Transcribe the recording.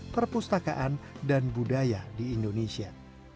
perpustakaan dan budaya di indonesia